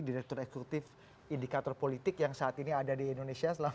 direktur eksekutif indikator politik yang saat ini ada di indonesia